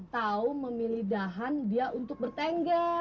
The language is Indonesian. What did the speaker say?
tahu memilih dahan dia untuk bertengger